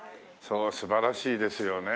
素晴らしいですよね。